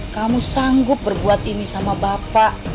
kamu sanggup berbuat ini sama bapak